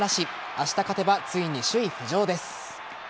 明日勝てば、ついに首位浮上です。